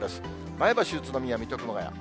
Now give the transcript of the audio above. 前橋、宇都宮、水戸、熊谷。